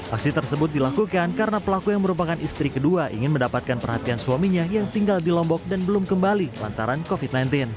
aksi tersebut dilakukan karena pelaku yang merupakan istri kedua ingin mendapatkan perhatian suaminya yang tinggal di lombok dan belum kembali lantaran covid sembilan belas